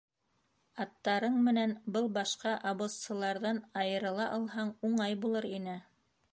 Аттарың менән был башҡа обозсыларҙан айырыла алһаң, уңай булыр ине.